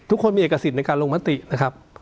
ทุกคนมีเอกสิทธิ์ในการลงมตินะครับ